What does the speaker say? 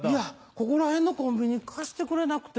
ここら辺のコンビニ貸してくれなくて。